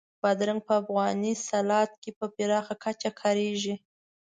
بادرنګ په افغاني سالاد کې په پراخه کچه کارېږي.